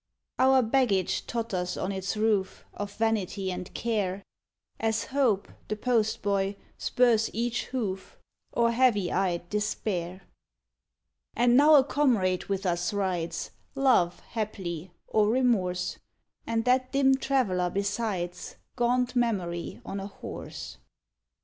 Our baggage totters on its roof, Of Vanity and Care, As Hope, the postboy, spurs each hoof, Or heavy eyed Despair. And now a comrade with us rides, Love, haply, or Remorse; And that dim traveler besides, Gaunt Memory on a horse.